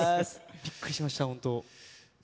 びっくりしました、本当。